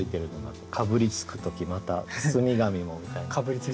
かぶりつく時また包み紙もみたいな。